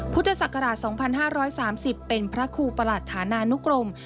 พุทธศักราช๒๕๓๐เป็นพระครูประหลัดฐานานุกรม